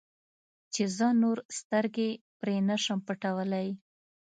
چې زه نور سترګې پرې نه شم پټولی.